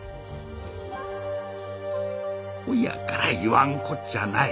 ほやから言わんこっちゃない。